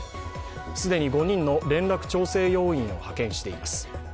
既に５人の連絡調整要員を派遣しています。